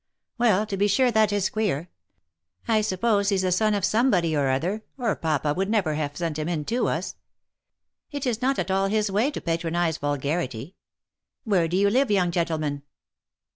" Well to be sure, that is queer ! I suppose he's the son of some body or other, or papa would never have sent him in to us. It is not at all his way to patronise vulgarity. Where do you live, young gentleman